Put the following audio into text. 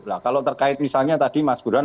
lah kalau misalnya terkait tadi mas burhan